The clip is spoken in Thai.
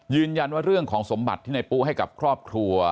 เรื่องของสมบัติที่ในปุ๊ให้กับครอบครัว